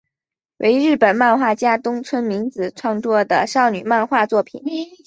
为日本漫画家东村明子创作的少女漫画作品。